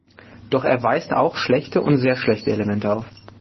Doch er weist auch schlechte und sehr schlechte Elemente auf.